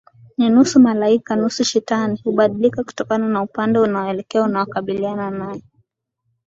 Ni nusu malaika nusu shetani hubadilika kutokana na upande unaokua unakabiliana nae